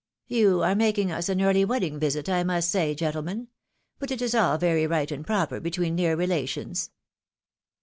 " You arc making us an early wedding visit, I must say, gen tlemen — but it is all very right and proper between near rela tions.